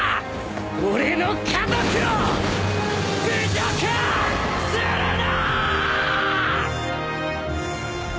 俺の家族を侮辱するな！！